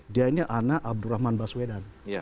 dia ini anak abdurrahman baswedan